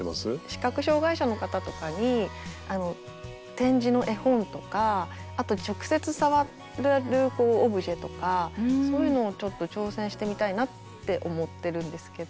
視覚障害者の方とかに点字の絵本とかあと直接触れるオブジェとかそういうのをちょっと挑戦してみたいなって思ってるんですけど。